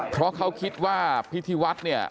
เพราะเขาคิดว่าพิธีวัฒน์เนี่ย